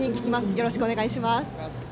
よろしくお願いします。